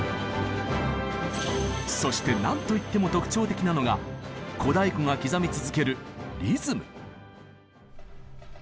そして何といっても特徴的なのが小太鼓が刻み続ける「リズム」。